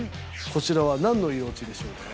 こちらは何の色落ちでしょうか？